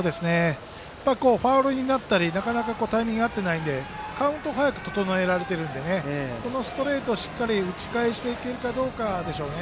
ファウルになったりなかなかタイミングが合ってないのでカウントを早く整えられているのでこのストレートをしっかり打ち返していけるかどうかですね。